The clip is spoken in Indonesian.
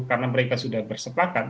karena mereka sudah bersepakat